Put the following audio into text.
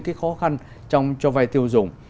cái khó khăn trong cho vay tiêu dùng